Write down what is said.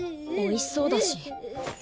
おいしそうだし。